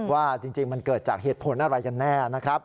ว่าจริงมันเกิดจากเหตุผลอะไรกันแน่นะครับ